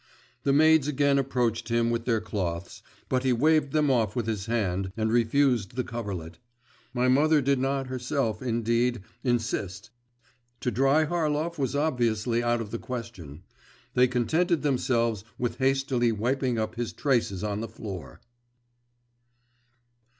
The maids again approached him with their cloths, but he waved them off with his hand, and refused the coverlet. My mother did not herself, indeed, insist; to dry Harlov was obviously out of the question; they contented themselves with hastily wiping up his traces on the floor.